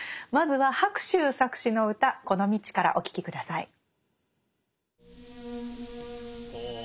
まずは白秋作詞の歌「この道」からお聴き下さい。